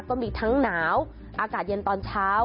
ก็มีทั้งหนาวอากาศเย็นตอนเช้า